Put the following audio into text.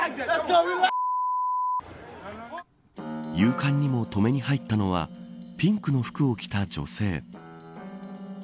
勇敢にも止めに入ったのはピンクの服を着た女性。